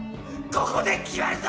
ここで決まるぞ！